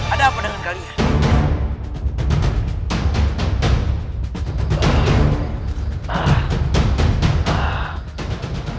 ada apa dengan kalian